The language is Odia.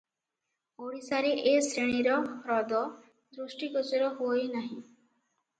ଓଡ଼ିଶାରେ ଏ ଶ୍ରେଣୀର ହ୍ରଦ ଦୃଷ୍ଟିଗୋଚର ହୁଅଇ ନାହିଁ ।